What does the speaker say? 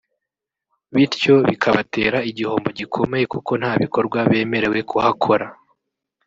bityo bikabatera igihombo gikomeye kuko nta bikorwa bemerewe kuhakora